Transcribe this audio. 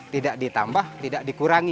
tidak ditambah tidak dikurangi